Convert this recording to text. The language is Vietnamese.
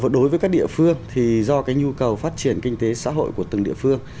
đối với các địa phương thì do cái nhu cầu phát triển kinh tế xã hội của từng địa phương